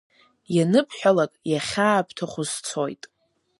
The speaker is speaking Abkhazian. Ианыбҳәалак, иахьаабҭаху сцоит.